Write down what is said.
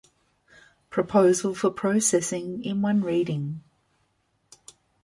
Proposal for processing in one reading.